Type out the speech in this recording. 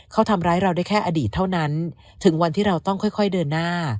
เขาทำร้ายเราได้แค่อดีตเท่านั้นถึงวันที่เราต้องค่อยเดินหน้า